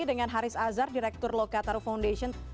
dengan haris azhar direktur lokataru foundation